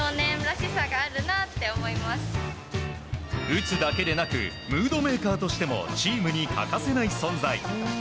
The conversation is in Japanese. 打つだけでなくムードメーカーとしてもチームに欠かせない存在。